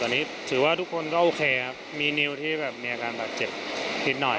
ตอนนี้ถือว่าทุกคนก็โอเคครับมีนิวที่แบบมีอาการบาดเจ็บนิดหน่อย